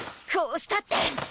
こうしたって！